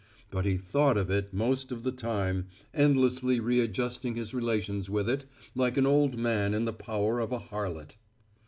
But he thought of it most of the time, endlessly readjusting his relations with it, like an old man in the power of a harlot.